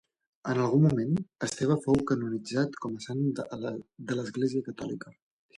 En algun moment, Esteve fou canonitzat com a sant de l'Església Catòlica.